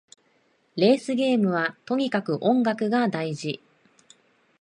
レースゲームはとにかく音楽が大事